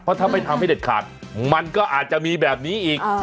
ถ้าไม่ทำให้เด็ดขาดมันก็อาจจะมีแบบนี้อีก